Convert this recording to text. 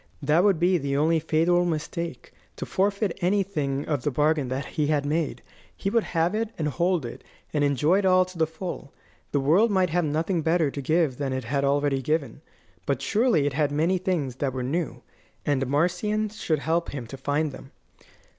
That would be the only fatal mistake: to forfeit anything of the bargain that he had made. He would have it, and hold it, and enjoy it all to the full. The world might have nothing better to give than it had already given; but surely it had many things that were new, and Marcion should help him to find them.